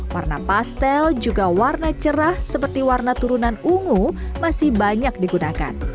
warna pastel juga warna cerah seperti warna turunan ungu masih banyak digunakan